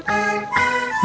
esok kamu mau ke rumah